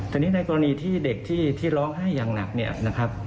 แต่นี่ในกรณีที่เด็กที่ร้องไห้อย่างหนักเนี่ยนะครับ